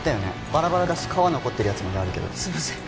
バラバラだし皮残ってるやつまであるけどすいません